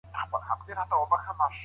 اسلام د عدل او برابرۍ دين دی.